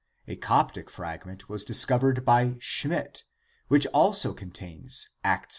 A Coptic frag ment was discovered by C. Schmidt, which also contains Acts of Peter.